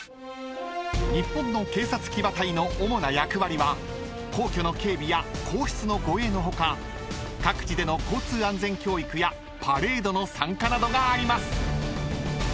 ［日本の警察騎馬隊の主な役割は皇居の警備や皇室の護衛の他各地での交通安全教育やパレードの参加などがあります］